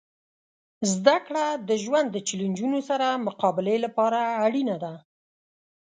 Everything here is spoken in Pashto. زدهکړه د ژوند د چیلنجونو سره مقابلې لپاره اړینه ده.